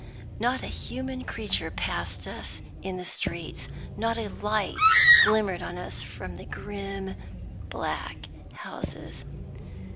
Not a human creature passed us in the streets; not a light glimmered on us from the grim black houses.